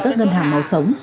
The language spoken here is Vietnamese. các ngân hàng máu sống